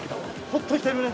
ほっとしてるね。